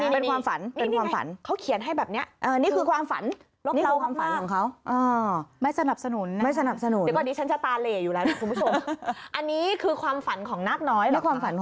เป็นความฝันนะครับเป็นความฝัน